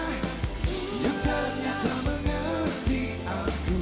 yang tak nyata mengerti aku